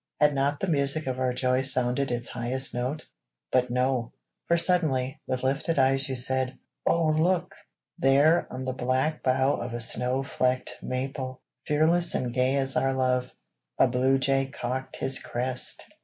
Had not the music of our joy Sounded its highest note? But no, For suddenly, with lifted eyes you said, "Oh look!" There, on the black bough of a snow flecked maple, Fearless and gay as our love, A bluejay cocked his crest!